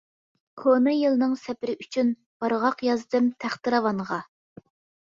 كونا يىلنىڭ سەپىرى ئۈچۈن، بارغاق يازدىم تەختىراۋانغا.